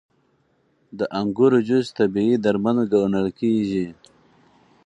• د انګورو جوس طبیعي درمل ګڼل کېږي.